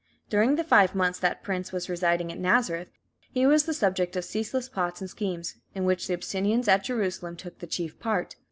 During the five months that the prince was residing at Nazareth he was the subject of ceaseless plots and schemes, in which the Abyssinians at Jerusalem took the chief part.